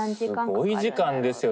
すごい時間ですよ